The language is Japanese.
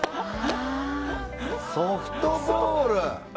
ソフトボール！